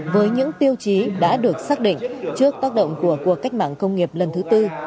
với những tiêu chí đã được xác định trước tác động của cuộc cách mạng công nghiệp lần thứ tư